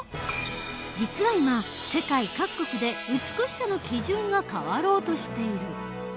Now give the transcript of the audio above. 実は今世界各国で美しさの基準が変わろうとしている。